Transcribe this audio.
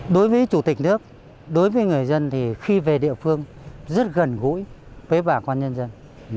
đối với chủ tịch nước đối với người dân thì khi về địa phương rất gần gũi với bà con nhân dân